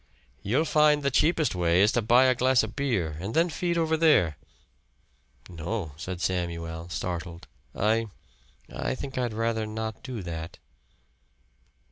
"You'll find the cheapest way is to buy a glass of beer and then feed over there." "No," said Samuel, startled. "I I think I'd rather not do that."